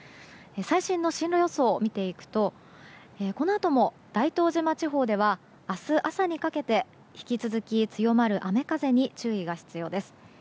最新の進路予想を見ていくとこのあとも大東島地方では明日朝にかけて引き続き強まる雨風に注意が必要です。